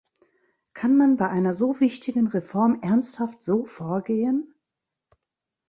Kann man bei einer so wichtigen Reform ernsthaft so vorgehen?